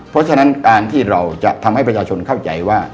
เพราะฉะนั้นการที่เราจะทำให้ประชาชนเข้าใจว่า